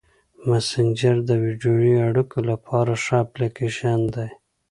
مسېنجر د ویډیويي اړیکو لپاره ښه اپلیکیشن دی.